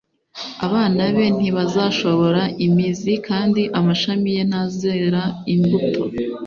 abana be ntibazashora imizi kandi amashami ye ntazera imbuto